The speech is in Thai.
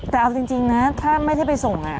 แต่เอาจริงนะถ้าไม่ได้ไปส่ง